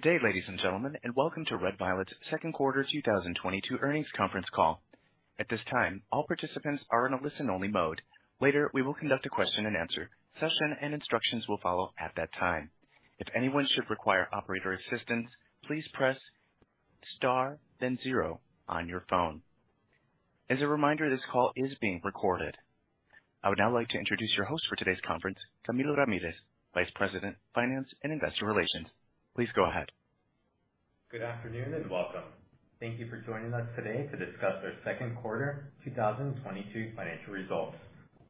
Good day, ladies and gentlemen, and welcome to Red Violet's second quarter 2022 earnings conference call. At this time, all participants are in a listen-only mode. Later, we will conduct a question-and-answer session, and instructions will follow at that time. If anyone should require operator assistance, please press star then zero on your phone. As a reminder, this call is being recorded. I would now like to introduce your host for today's conference, Camilo Ramirez, Vice President, Finance and Investor Relations. Please go ahead. Good afternoon, and welcome. Thank you for joining us today to discuss our second quarter 2022 financial results.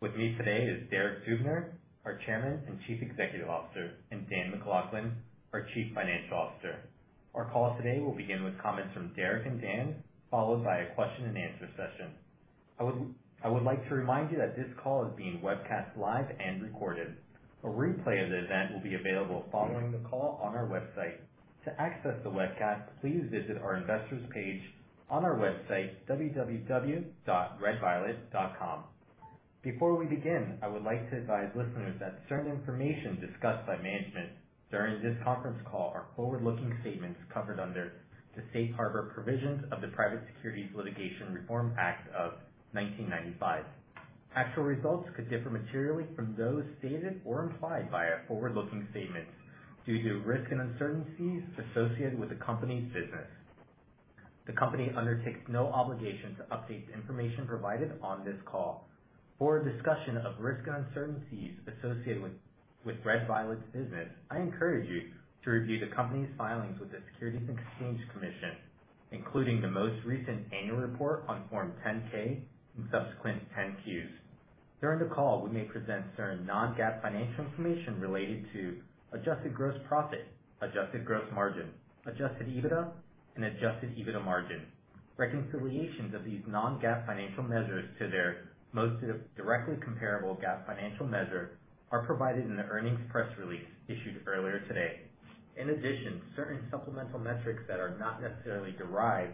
With me today is Derek Dubner, our Chairman and Chief Executive Officer, and Dan MacLachlan, our Chief Financial Officer. Our call today will begin with comments from Derek and Dan, followed by a question-and-answer session. I would like to remind you that this call is being webcast live and recorded. A replay of the event will be available following the call on our website. To access the webcast, please visit our investors page on our website, www.redviolet.com. Before we begin, I would like to advise listeners that certain information discussed by management during this conference call are forward-looking statements covered under the Safe Harbor Provisions of the Private Securities Litigation Reform Act of 1995. Actual results could differ materially from those stated or implied by forward-looking statements due to risks and uncertainties associated with the company's business. The company undertakes no obligation to update the information provided on this call. For a discussion of risks and uncertainties associated with Red Violet's business, I encourage you to review the company's filings with the Securities and Exchange Commission, including the most recent annual report on Form 10-K and subsequent 10-Qs. During the call, we may present certain non-GAAP financial information related to adjusted gross profit, adjusted gross margin, adjusted EBITDA, and adjusted EBITDA margin. Reconciliations of these non-GAAP financial measures to their most directly comparable GAAP financial measure are provided in the earnings press release issued earlier today. In addition, certain supplemental metrics that are not necessarily derived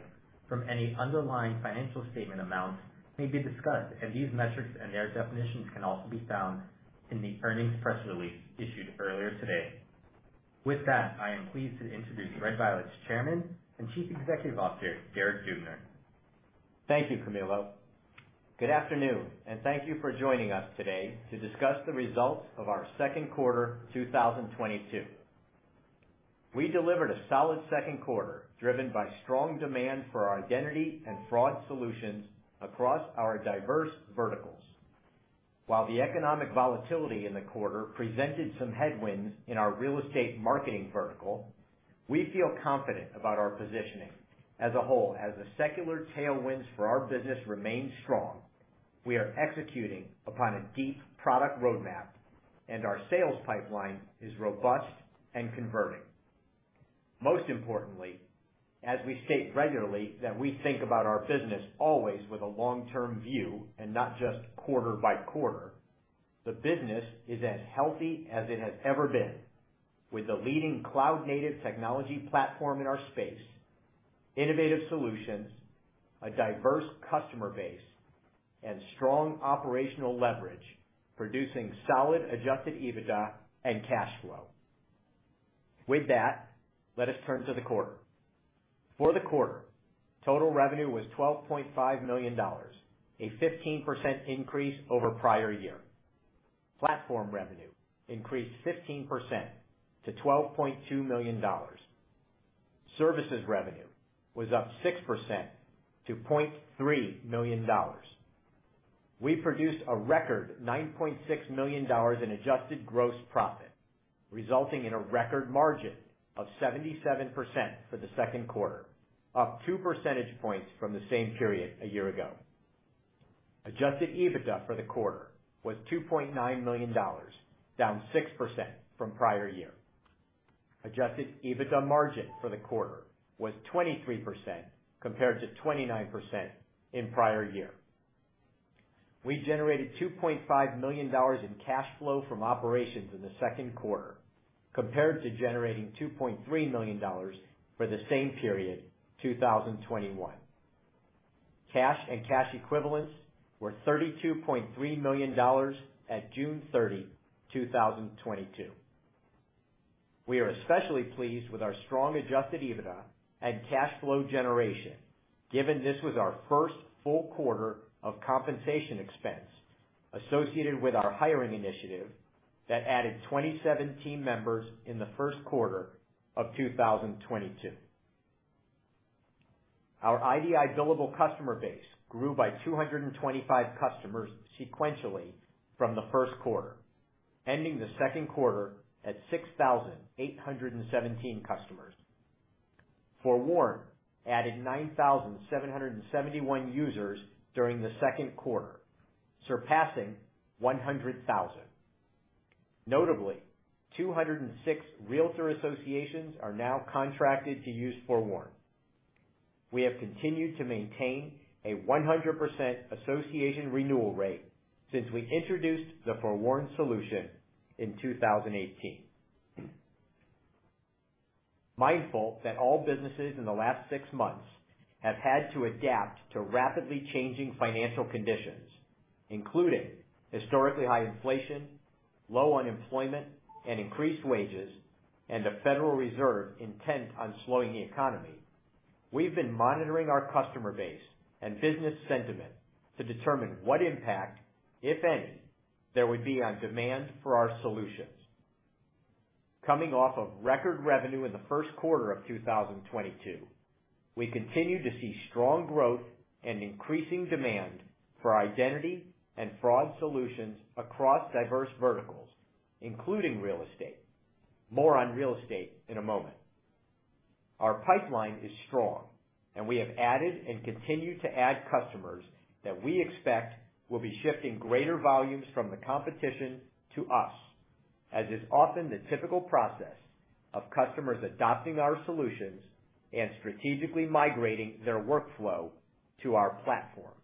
from any underlying financial statement amounts may be discussed, and these metrics and their definitions can also be found in the earnings press release issued earlier today. With that, I am pleased to introduce Red Violet's Chairman and Chief Executive Officer, Derek Dubner. Thank you, Camilo. Good afternoon, and thank you for joining us today to discuss the results of our second quarter 2022. We delivered a solid second quarter, driven by strong demand for our identity and fraud solutions across our diverse verticals. While the economic volatility in the quarter presented some headwinds in our real estate marketing vertical, we feel confident about our positioning as a whole, as the secular tailwinds for our business remain strong. We are executing upon a deep product roadmap, and our sales pipeline is robust and converting. Most importantly, as we state regularly, that we think about our business always with a long-term view and not just quarter by quarter. The business is as healthy as it has ever been, with a leading cloud-native technology platform in our space, innovative solutions, a diverse customer base, and strong operational leverage, producing solid adjusted EBITDA and cash flow. With that, let us turn to the quarter. For the quarter, total revenue was $12.5 million, a 15% increase over prior year. Platform revenue increased 15% to $12.2 million. Services revenue was up 6% to $0.3 million. We produced a record $9.6 million in adjusted gross profit, resulting in a record margin of 77% for the second quarter, up 2 percentage points from the same period a year ago. Adjusted EBITDA for the quarter was $2.9 million, down 6% from prior year. Adjusted EBITDA margin for the quarter was 23% compared to 29% in prior year. We generated $2.5 million in cash flow from operations in the second quarter compared to generating $2.3 million for the same period 2021. Cash and cash equivalents were $32.3 million at June 30, 2022. We are especially pleased with our strong adjusted EBITDA and cash flow generation, given this was our first full quarter of compensation expense associated with our hiring initiative that added 27 team members in the first quarter of 2022. Our idi billable customer base grew by 225 customers sequentially from the first quarter, ending the second quarter at 6,817 customers. FOREWARN added 9,771 users during the second quarter, surpassing 100,000. Notably, 206 realtor associations are now contracted to use FOREWARN. We have continued to maintain a 100% association renewal rate since we introduced the FOREWARN solution in 2018. Mindful that all businesses in the last six months have had to adapt to rapidly changing financial conditions, including historically high inflation, low unemployment and increased wages, and a Federal Reserve intent on slowing the economy. We've been monitoring our customer base and business sentiment to determine what impact, if any, there would be on demand for our solutions. Coming off of record revenue in the first quarter of 2022, we continue to see strong growth and increasing demand for identity and fraud solutions across diverse verticals, including real estate. More on real estate in a moment. Our pipeline is strong and we have added and continue to add customers that we expect will be shifting greater volumes from the competition to us, as is often the typical process of customers adopting our solutions and strategically migrating their workflow to our platform.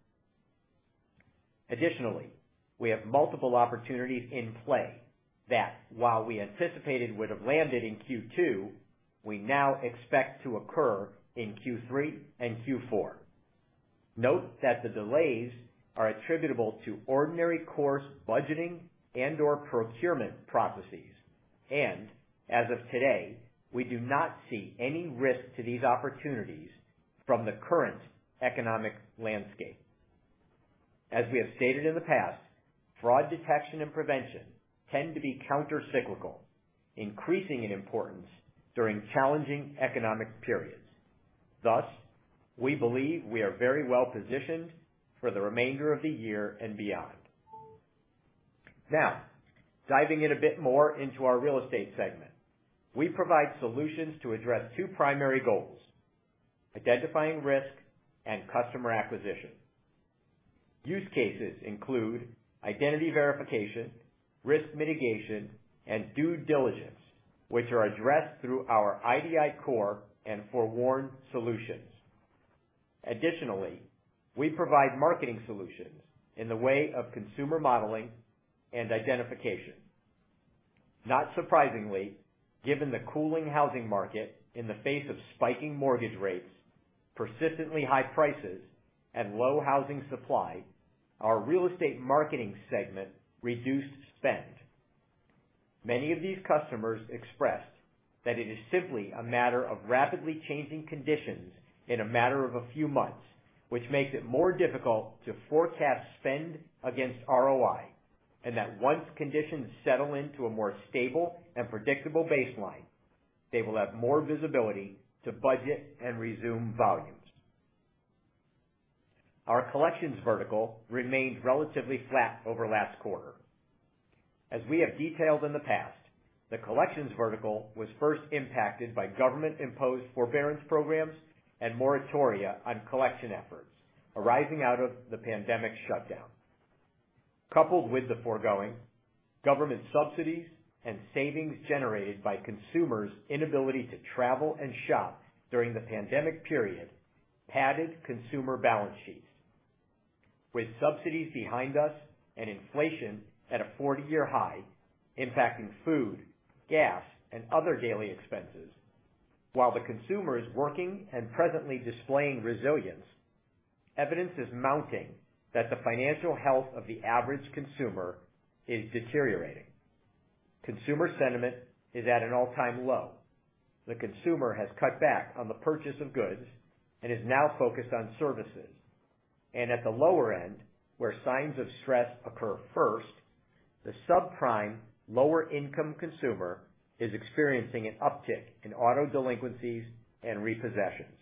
Additionally, we have multiple opportunities in play that while we anticipated would have landed in Q2, we now expect to occur in Q3 and Q4. Note that the delays are attributable to ordinary course budgeting and/or procurement processes, and as of today, we do not see any risk to these opportunities from the current economic landscape. As we have stated in the past, fraud detection and prevention tend to be countercyclical, increasing in importance during challenging economic periods. Thus, we believe we are very well positioned for the remainder of the year and beyond. Now, diving in a bit more into our real estate segment. We provide solutions to address two primary goals, identifying risk and customer acquisition. Use cases include identity verification, risk mitigation, and due diligence, which are addressed through our idiCORE and FOREWARN solutions. Additionally, we provide marketing solutions in the way of consumer modeling and identification. Not surprisingly, given the cooling housing market in the face of spiking mortgage rates, persistently high prices, and low housing supply, our real estate marketing segment reduced spend. Many of these customers expressed that it is simply a matter of rapidly changing conditions in a matter of a few months, which makes it more difficult to forecast spend against ROI, and that once conditions settle into a more stable and predictable baseline, they will have more visibility to budget and resume volumes. Our collections vertical remained relatively flat over last quarter. As we have detailed in the past, the collections vertical was first impacted by government-imposed forbearance programs and moratoria on collection efforts arising out of the pandemic shutdown. Coupled with the foregoing, government subsidies and savings generated by consumers' inability to travel and shop during the pandemic period padded consumer balance sheets. With subsidies behind us and inflation at a 40-year high, impacting food, gas, and other daily expenses. While the consumer is working and presently displaying resilience, evidence is mounting that the financial health of the average consumer is deteriorating. Consumer sentiment is at an all-time low. The consumer has cut back on the purchase of goods and is now focused on services. At the lower end, where signs of stress occur first, the subprime lower-income consumer is experiencing an uptick in auto delinquencies and repossessions.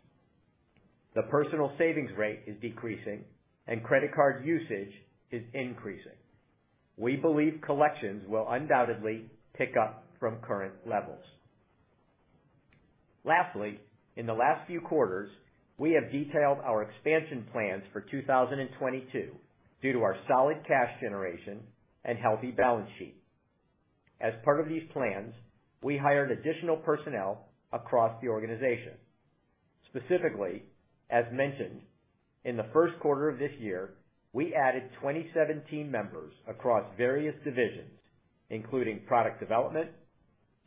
The personal savings rate is decreasing and credit card usage is increasing. We believe collections will undoubtedly pick up from current levels. Lastly, in the last few quarters, we have detailed our expansion plans for 2022 due to our solid cash generation and healthy balance sheet. As part of these plans, we hired additional personnel across the organization. Specifically, as mentioned, in the first quarter of this year, we added 27 team members across various divisions, including product development,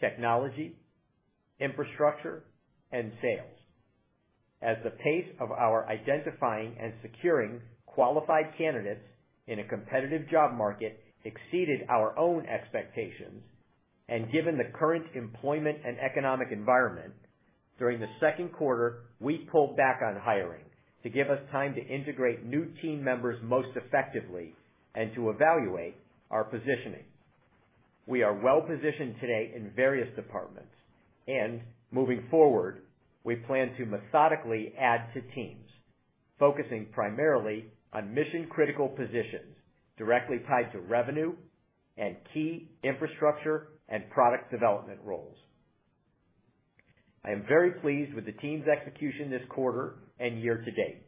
technology, infrastructure, and sales. As the pace of our identifying and securing qualified candidates in a competitive job market exceeded our own expectations, and given the current employment and economic environment, during the second quarter, we pulled back on hiring to give us time to integrate new team members most effectively and to evaluate our positioning. We are well positioned today in various departments, and moving forward, we plan to methodically add to teams, focusing primarily on mission-critical positions directly tied to revenue and key infrastructure and product development roles. I am very pleased with the team's execution this quarter and year to date.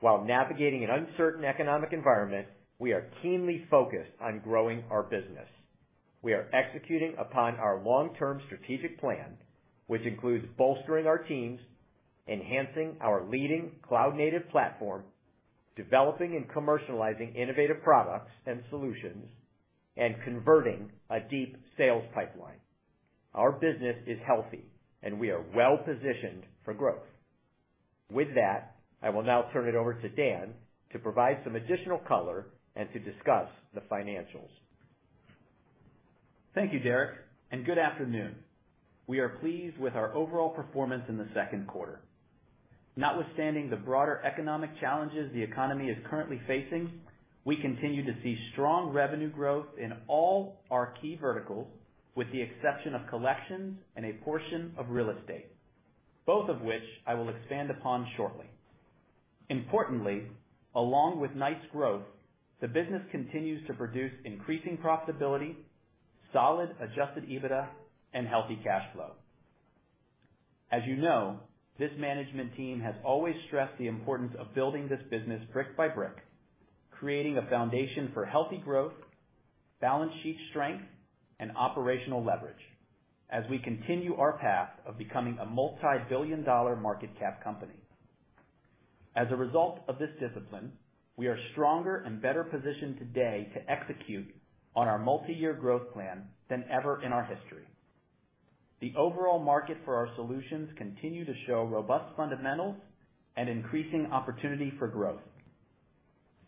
While navigating an uncertain economic environment, we are keenly focused on growing our business. We are executing upon our long-term strategic plan, which includes bolstering our teams, enhancing our leading cloud-native platform, developing and commercializing innovative products and solutions, and converting a deep sales pipeline. Our business is healthy and we are well positioned for growth. With that, I will now turn it over to Dan to provide some additional color and to discuss the financials. Thank you, Derek, and good afternoon. We are pleased with our overall performance in the second quarter. Notwithstanding the broader economic challenges the economy is currently facing, we continue to see strong revenue growth in all our key verticals, with the exception of collections and a portion of real estate, both of which I will expand upon shortly. Importantly, along with nice growth, the business continues to produce increasing profitability, solid adjusted EBITDA, and healthy cash flow. As you know, this management team has always stressed the importance of building this business brick by brick, creating a foundation for healthy growth, balance sheet strength, and operational leverage as we continue our path of becoming a multi-billion dollar market cap company. As a result of this discipline, we are stronger and better positioned today to execute on our multi-year growth plan than ever in our history. The overall market for our solutions continue to show robust fundamentals and increasing opportunity for growth.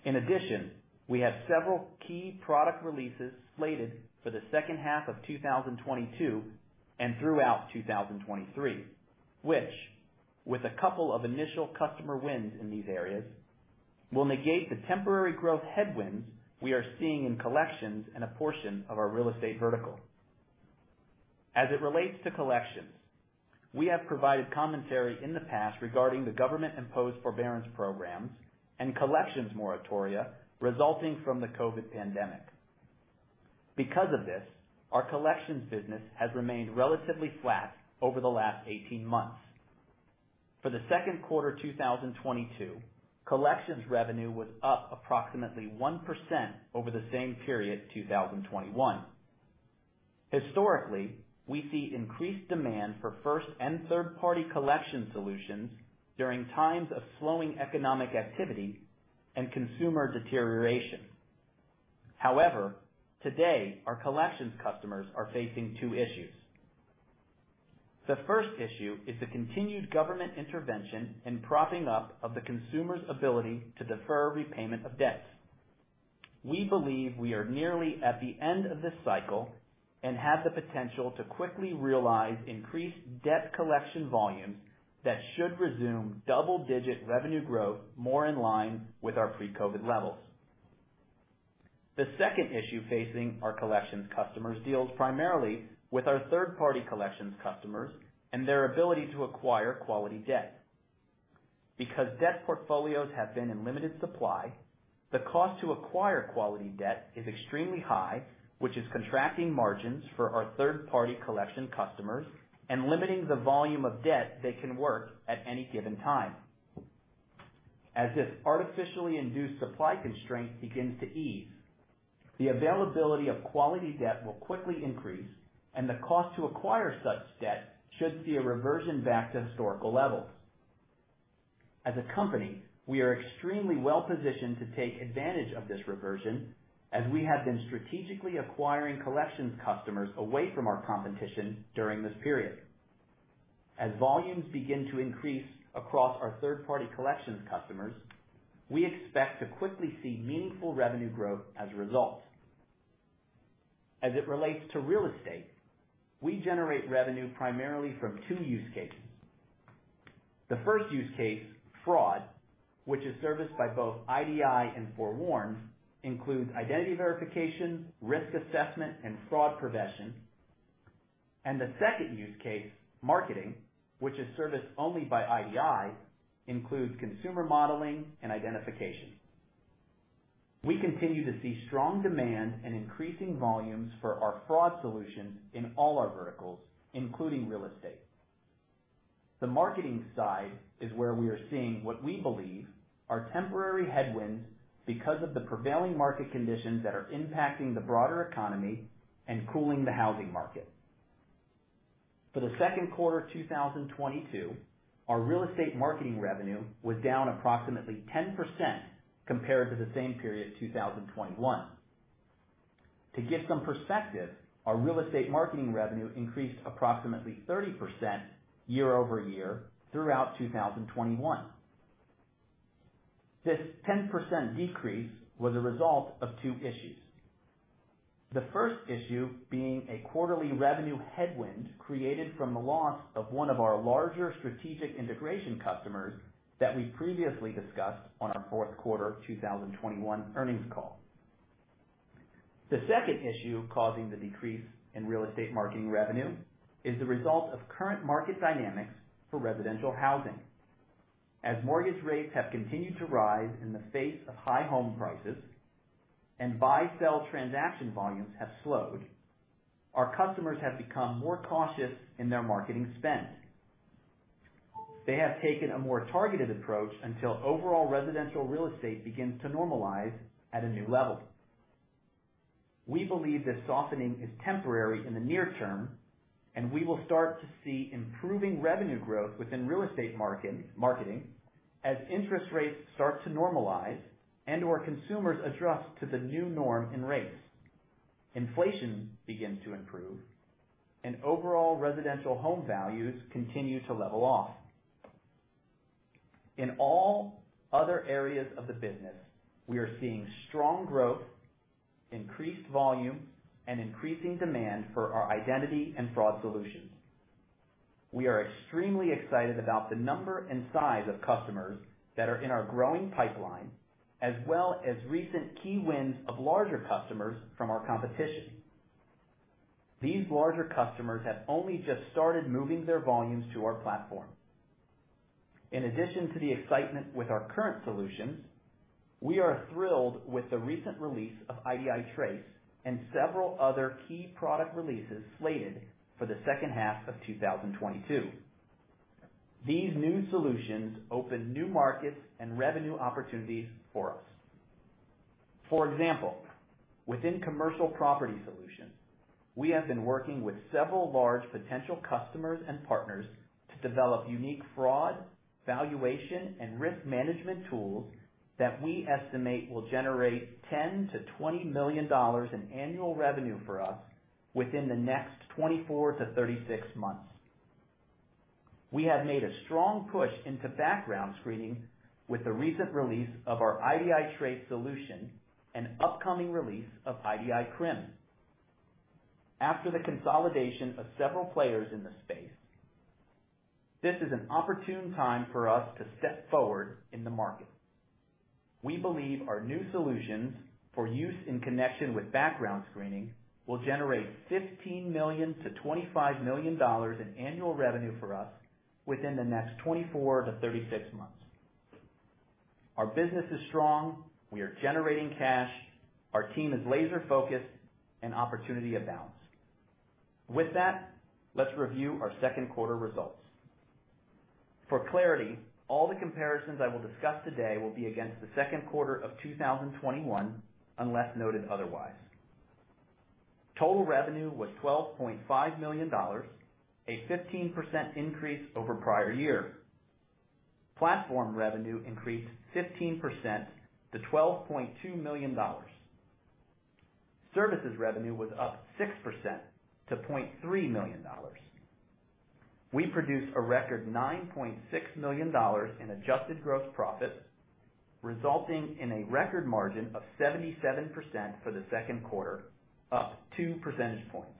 In addition, we have several key product releases slated for the second half of 2022 and throughout 2023, which, with a couple of initial customer wins in these areas, will negate the temporary growth headwinds we are seeing in collections and a portion of our real estate vertical. As it relates to collections, we have provided commentary in the past regarding the government-imposed forbearance programs and collections moratoria resulting from the COVID pandemic. Because of this, our collections business has remained relatively flat over the last 18 months. For the second quarter 2022, collections revenue was up approximately 1% over the same period 2021. Historically, we see increased demand for first and third-party collection solutions during times of slowing economic activity and consumer deterioration. However, today, our collections customers are facing two issues. The first issue is the continued government intervention and propping up of the consumer's ability to defer repayment of debts. We believe we are nearly at the end of this cycle and have the potential to quickly realize increased debt collection volumes that should resume double-digit revenue growth more in line with our pre-COVID levels. The second issue facing our collections customers deals primarily with our third-party collections customers and their ability to acquire quality debt. Because debt portfolios have been in limited supply, the cost to acquire quality debt is extremely high, which is contracting margins for our third-party collection customers and limiting the volume of debt they can work at any given time. As this artificially induced supply constraint begins to ease, the availability of quality debt will quickly increase, and the cost to acquire such debt should see a reversion back to historical levels. As a company, we are extremely well-positioned to take advantage of this reversion as we have been strategically acquiring collections customers away from our competition during this period. As volumes begin to increase across our third-party collections customers, we expect to quickly see meaningful revenue growth as a result. As it relates to real estate, we generate revenue primarily from two use cases. The first use case, fraud, which is serviced by both idi and FOREWARN, includes identity verification, risk assessment, and fraud prevention. The second use case, marketing, which is serviced only by idi, includes consumer modeling and identification. We continue to see strong demand and increasing volumes for our fraud solutions in all our verticals, including real estate. The marketing side is where we are seeing what we believe are temporary headwinds because of the prevailing market conditions that are impacting the broader economy and cooling the housing market. For the second quarter 2022, our real estate marketing revenue was down approximately 10% compared to the same period 2021. To give some perspective, our real estate marketing revenue increased approximately 30% year-over-year throughout 2021. This 10% decrease was a result of two issues. The first issue being a quarterly revenue headwind created from the loss of one of our larger strategic integration customers that we previously discussed on our fourth quarter 2021 earnings call. The second issue causing the decrease in real estate marketing revenue is the result of current market dynamics for residential housing. As mortgage rates have continued to rise in the face of high home prices and buy/sell transaction volumes have slowed, our customers have become more cautious in their marketing spend. They have taken a more targeted approach until overall residential real estate begins to normalize at a new level. We believe this softening is temporary in the near term, and we will start to see improving revenue growth within real estate marketing as interest rates start to normalize and/or consumers adjust to the new norm in rates. Inflation begins to improve and overall residential home values continue to level off. In all other areas of the business, we are seeing strong growth, increased volume, and increasing demand for our identity and fraud solutions. We are extremely excited about the number and size of customers that are in our growing pipeline as well as recent key wins of larger customers from our competition. These larger customers have only just started moving their volumes to our platform. In addition to the excitement with our current solutions, we are thrilled with the recent release of idiTRACE and several other key product releases slated for the second half of 2022. These new solutions open new markets and revenue opportunities for us. For example, within commercial property solutions, we have been working with several large potential customers and partners to develop unique fraud, valuation, and risk management tools that we estimate will generate $10 million-$20 million in annual revenue for us within the next 24 months-36 months. We have made a strong push into background screening with the recent release of our idiTRACE solution and upcoming release of idiCRIM. After the consolidation of several players in the space, this is an opportune time for us to step forward in the market. We believe our new solutions for use in connection with background screening will generate $15 million-$25 million in annual revenue for us within the next 24 months-36 months. Our business is strong, we are generating cash, our team is laser-focused and opportunities abound. With that, let's review our second quarter results. For clarity, all the comparisons I will discuss today will be against the second quarter of 2021, unless noted otherwise. Total revenue was $12.5 million, a 15% increase over prior year. Platform revenue increased 15% to $12.2 million. Services revenue was up 6% to $0.3 million. We produced a record $9.6 million in adjusted gross profit, resulting in a record margin of 77% for the second quarter, up 2 percentage points.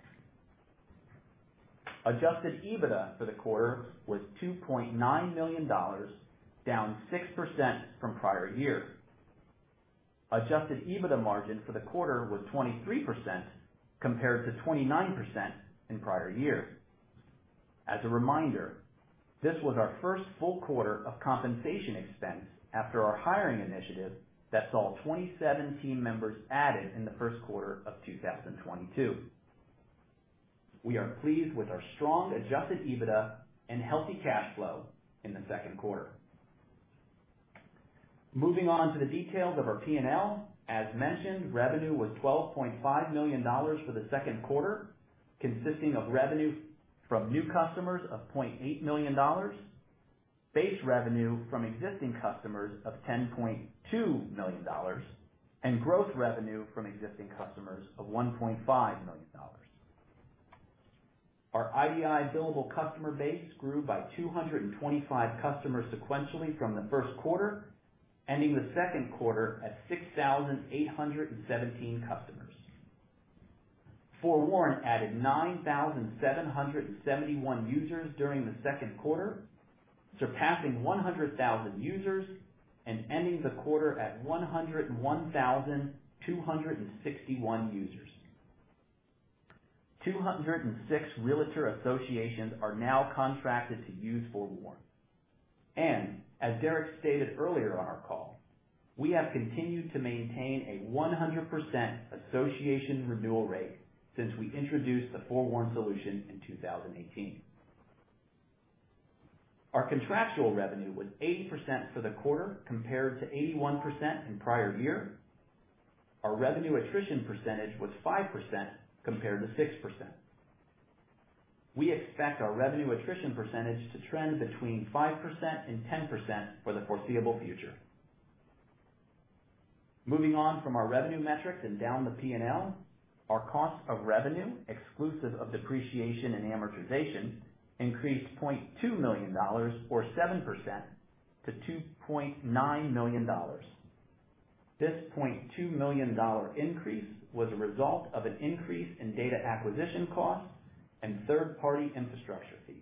Adjusted EBITDA for the quarter was $2.9 million, down 6% from prior year. Adjusted EBITDA margin for the quarter was 23% compared to 29% in prior year. As a reminder, this was our first full quarter of compensation expense after our hiring initiative that saw 27 team members added in the first quarter of 2022. We are pleased with our strong adjusted EBITDA and healthy cash flow in the second quarter. Moving on to the details of our P&L. As mentioned, revenue was $12.5 million for the second quarter, consisting of revenue from new customers of $0.8 million, base revenue from existing customers of $10.2 million, and growth revenue from existing customers of $1.5 million. Our idi billable customer base grew by 225 customers sequentially from the first quarter, ending the second quarter at 6,817 customers. FOREWARN added 9,771 users during the second quarter, surpassing 100,000 users and ending the quarter at 101,261 users. 206 realtor associations are now contracted to use FOREWARN. As Derek stated earlier on our call, we have continued to maintain a 100% association renewal rate since we introduced the FOREWARN solution in 2018. Our contractual revenue was 80% for the quarter compared to 81% in prior year. Our revenue attrition percentage was 5% compared to 6%. We expect our revenue attrition percentage to trend between 5% and 10% for the foreseeable future. Moving on from our revenue metrics and down the P&L. Our cost of revenue, exclusive of depreciation and amortization, increased $0.2 million or 7% to $2.9 million. This $0.2 million increase was a result of an increase in data acquisition costs and third-party infrastructure fees.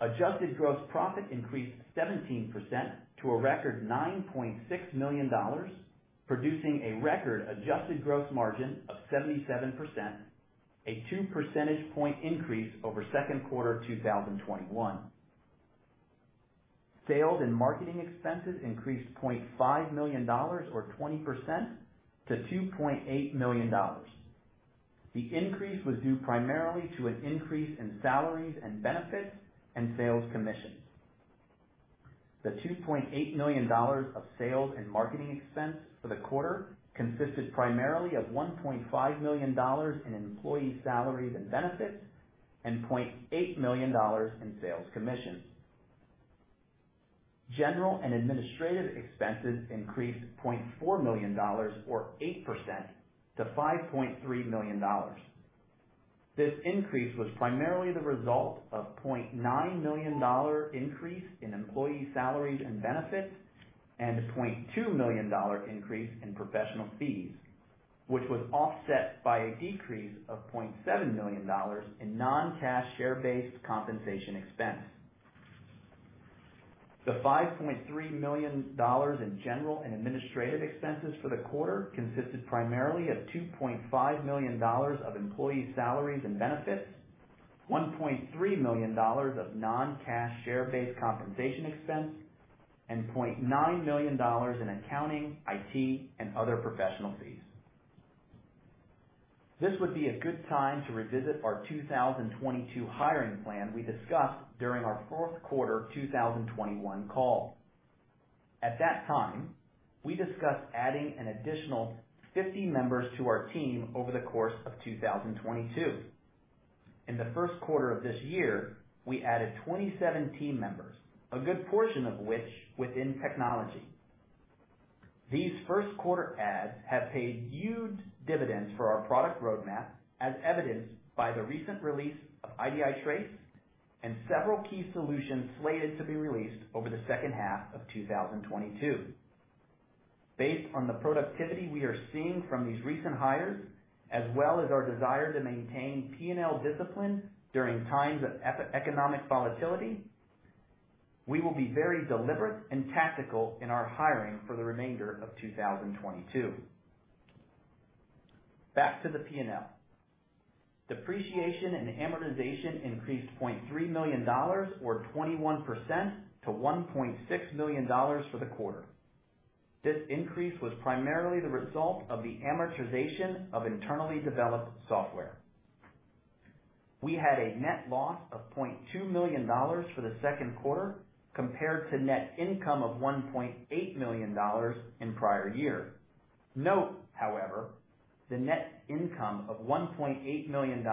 Adjusted gross profit increased 17% to a record $9.6 million, producing a record adjusted gross margin of 77%, a 2 percentage point increase over second quarter 2021. Sales and marketing expenses increased $0.5 million or 20% to $2.8 million. The increase was due primarily to an increase in salaries and benefits and sales commissions. The $2.8 million of sales and marketing expense for the quarter consisted primarily of $1.5 million in employee salaries and benefits and $0.8 million in sales commissions. General and administrative expenses increased $0.4 million, or 8% to $5.3 million. This increase was primarily the result of $0.9 million increase in employee salaries and benefits and a $0.2 million increase in professional fees, which was offset by a decrease of $0.7 million in non-cash share-based compensation expense. The $5.3 million in general and administrative expenses for the quarter consisted primarily of $2.5 million of employee salaries and benefits, $1.3 million of non-cash share-based compensation expense, and $0.9 million in accounting, IT, and other professional fees. This would be a good time to revisit our 2022 hiring plan we discussed during our fourth quarter 2021 call. At that time, we discussed adding an additional 50 members to our team over the course of 2022. In the first quarter of this year, we added 27 team members, a good portion of which within technology. These first quarter adds have paid huge dividends for our product roadmap, as evidenced by the recent release of idiTRACE and several key solutions slated to be released over the second half of 2022. Based on the productivity we are seeing from these recent hires, as well as our desire to maintain P&L discipline during times of macroeconomic volatility, we will be very deliberate and tactical in our hiring for the remainder of 2022. Back to the P&L. Depreciation and amortization increased $0.3 million, or 21% to $1.6 million for the quarter. This increase was primarily the result of the amortization of internally developed software. We had a net loss of $0.2 million for the second quarter compared to net income of $1.8 million in prior year. Note, however, the net income of $1.8 million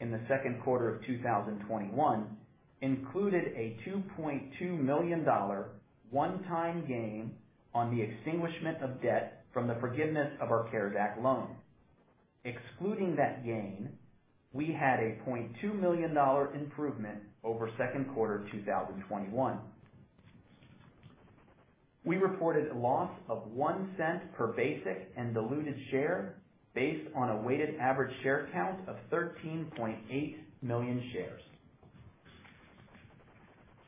in the second quarter of 2021 included a $2.2 million one-time gain on the extinguishment of debt from the forgiveness of our CARES Act loan. Excluding that gain, we had a $0.2 million improvement over second quarter 2021. We reported a loss of $0.01 per basic and diluted share based on a weighted average share count of 13.8 million shares.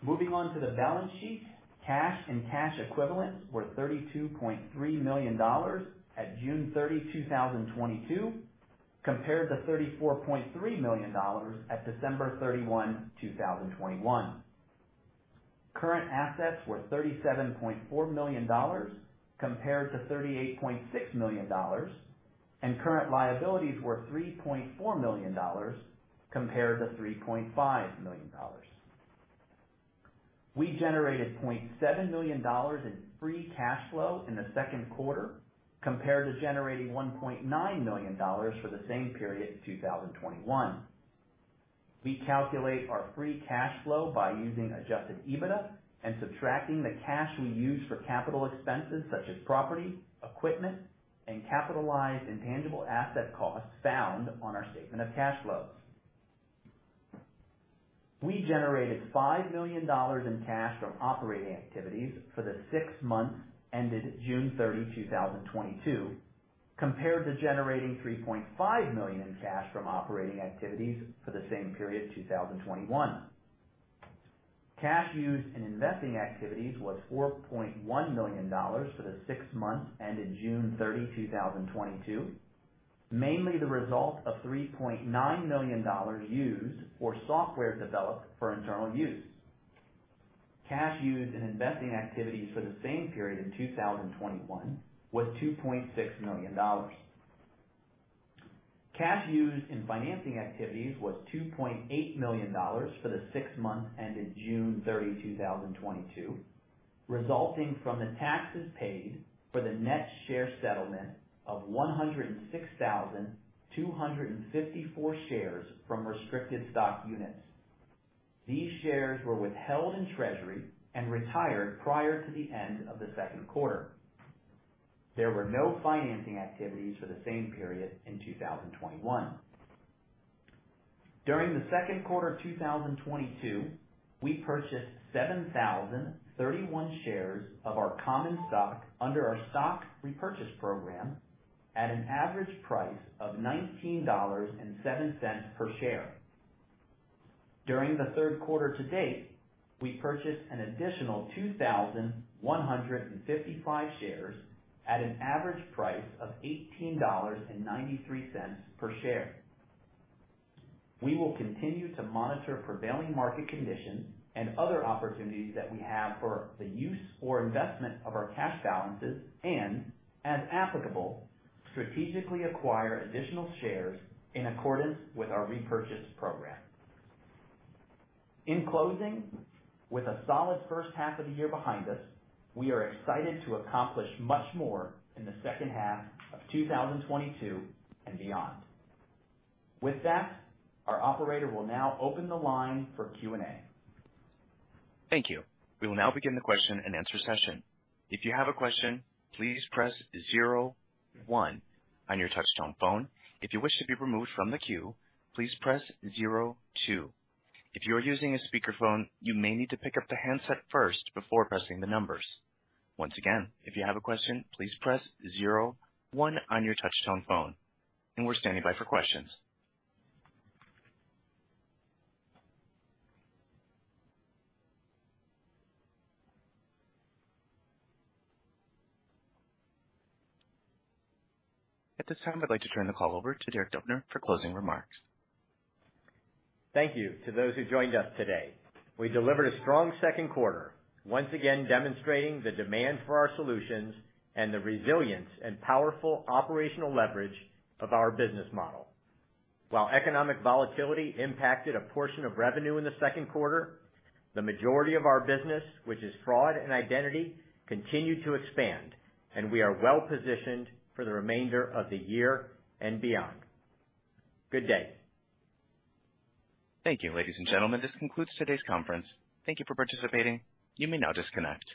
Moving on to the balance sheet. Cash and cash equivalents were $32.3 million at June 30, 2022, compared to $34.3 million at December 31, 2021. Current assets were $37.4 million compared to $38.6 million, and current liabilities were $3.4 million compared to $3.5 million. We generated $0.7 million in free cash flow in the second quarter compared to generating $1.9 million for the same period in 2021. We calculate our free cash flow by using adjusted EBITDA and subtracting the cash we use for capital expenses such as property, equipment, and capitalized intangible asset costs found on our statement of cash flows. We generated $5 million in cash from operating activities for the six months ended June 30, 2022, compared to generating $3.5 million in cash from operating activities for the same period in 2021. Cash used in investing activities was $4.1 million for the six months ended June 30, 2022, mainly the result of $3.9 million used for software developed for internal use. Cash used in investing activities for the same period in 2021 was $2.6 million. Cash used in financing activities was $2.8 million for the six months ended June 30, 2022, resulting from the taxes paid for the net share settlement of 106,254 shares from restricted stock units. These shares were withheld in treasury and retired prior to the end of the second quarter. There were no financing activities for the same period in 2021. During the second quarter of 2022, we purchased 7,031 shares of our common stock under our stock repurchase program at an average price of $19.07 per share. During the third quarter to date, we purchased an additional 2,155 shares at an average price of $18.93 per share. We will continue to monitor prevailing market conditions and other opportunities that we have for the use or investment of our cash balances and, as applicable, strategically acquire additional shares in accordance with our repurchase program. In closing, with a solid first half of the year behind us, we are excited to accomplish much more in the second half of 2022 and beyond. With that, our operator will now open the line for Q&A. Thank you. We will now begin the question-and-answer session. If you have a question, please press zero one on your touchtone phone. If you wish to be removed from the queue, please press zero two. If you are using a speakerphone, you may need to pick up the handset first before pressing the numbers. Once again, if you have a question, please press zero one on your touchtone phone and we're standing by for questions. At this time, I'd like to turn the call over to Derek Dubner for closing remarks. Thank you to those who joined us today. We delivered a strong second quarter, once again demonstrating the demand for our solutions and the resilience and powerful operational leverage of our business model. While economic volatility impacted a portion of revenue in the second quarter, the majority of our business, which is fraud and identity, continued to expand, and we are well positioned for the remainder of the year and beyond. Good day. Thank you, ladies and gentlemen. This concludes today's conference. Thank you for participating. You may now disconnect.